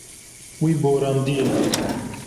Wî borandiye.